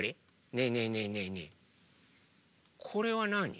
ねえねえねえねえねえこれはなに？